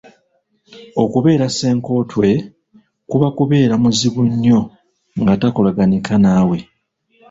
Okubeera ssenkotwe kuba kubeera muzibu nnyo nga takolagaanika naawe